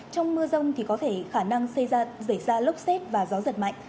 trong mưa rông thì có thể khả năng xây ra rảy ra lốc xét và gió giật mạnh